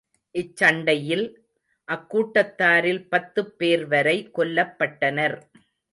இச்சண்டையில், அக்கூட்டத்தாரில் பத்துப் பேர் வரை கொல்லப்பட்டனர்.